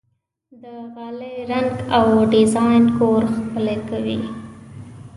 د غالۍ رنګ او ډیزاین کور ښکلی کوي.